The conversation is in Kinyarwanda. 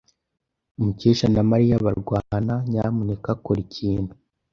Mukesha na Mariya barwana. Nyamuneka kora ikintu.